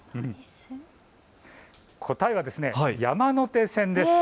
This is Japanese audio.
答えは山手線です。